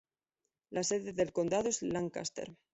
La sede del condado es Lancaster.